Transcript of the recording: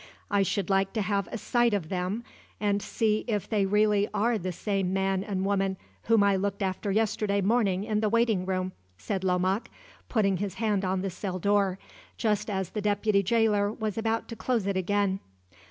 "I should like to have a sight of them, and see if they really are the same man and woman whom I looked after yesterday morning in the waiting room," said Lomaque, putting his hand on the cell door, just as the deputy jailer was about to close it again.